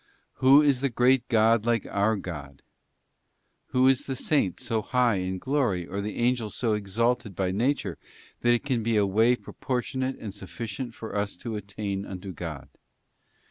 ' Who is the great God like our God?' Who is the Saint so high in glory, or the Angel so exalted by nature, that can be a way proportionate and sufficient for us to attain unto God?